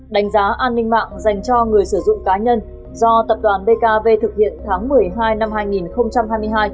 đánh giá an ninh mạng dành cho người sử dụng cá nhân do tập đoàn bkv thực hiện tháng một mươi hai năm hai nghìn hai mươi hai